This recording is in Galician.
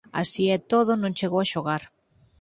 Así e todo non chegou a xogar.